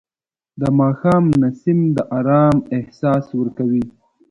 د ماښام نسیم د آرام احساس ورکوي